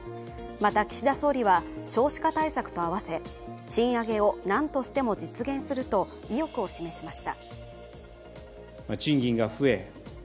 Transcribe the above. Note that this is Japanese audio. また、岸田総理は少子化対策とあわせ賃上げをなんとしても実現すると、意欲を示しました。